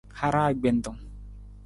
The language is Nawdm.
Haraa akpentung.